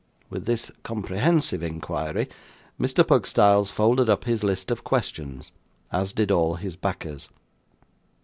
With this comprehensive inquiry, Mr. Pugstyles folded up his list of questions, as did all his backers.